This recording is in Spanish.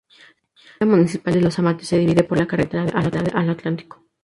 La cabecera municipal de Los Amates se divide por la carretera al Atlántico.